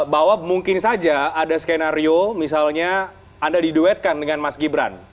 bahwa mungkin saja ada skenario misalnya anda diduetkan dengan mas gibran